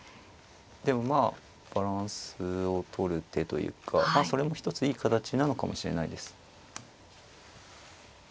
でもまあバランスをとる手というかそれも一ついい形なのかもしれないです。